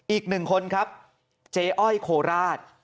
อีก๑คนครับเจ้อ้อยโคราช